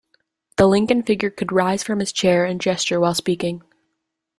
The Lincoln figure could rise from his chair and gesture while speaking.